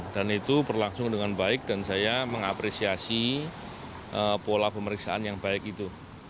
dan itu berlangsung dengan baik dan saya mengapresiasi pola pemeriksaan yang baik itu